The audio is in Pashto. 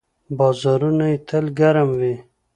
بازارونه یې تل ګرم وي.